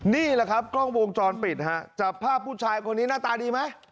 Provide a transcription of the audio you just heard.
นี่แหละครับกล้องวงจรปิดฮะจับภาพผู้ชายคนนี้หน้าตาดีไหม